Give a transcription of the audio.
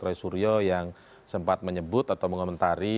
roy suryo yang sempat menyebut atau mengomentari